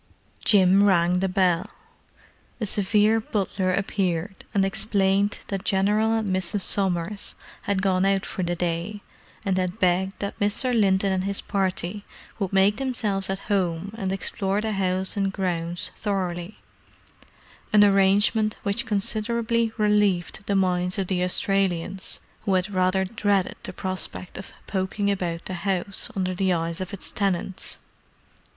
Jim rang the bell. A severe butler appeared, and explained that General and Mrs. Somers had gone out for the day, and had begged that Mr. Linton and his party would make themselves at home and explore the house and grounds thoroughly: an arrangement which considerably relieved the minds of the Australians, who had rather dreaded the prospect of "poking about" the house under the eyes of its tenants.